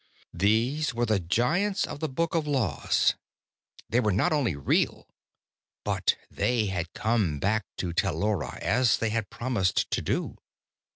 These were the Giants of the Book of Laws. They were not only real, but they had come back to Tellura as they had promised to do.